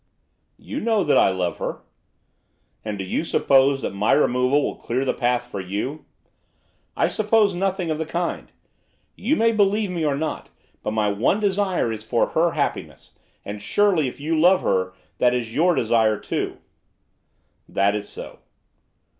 'You know that I love her.' 'And do you suppose that my removal will clear the path for you?' 'I suppose nothing of the kind. You may believe me or not, but my one desire is for her happiness, and surely, if you love her, that is your desire too.' 'That is so.